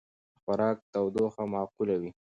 د خوراک تودوخه معقوله وي.